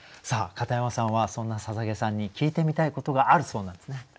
さあ片山さんはそんな捧さんに聞いてみたいことがあるそうなんですね。